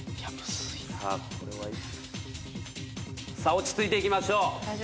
落ち着いていきましょう。